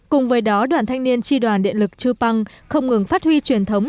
cùng với đó đoàn thanh niên tri đoàn điện lực chư păng không ngừng phát huy truyền thống